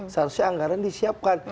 seharusnya anggaran disiapkan